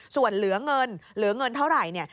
ส่วนเหลืองเงินเหลืองเงินเท่าไร